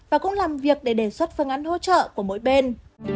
và cũng làm việc để đề xuất phương án hỗ trợ của mỗi bên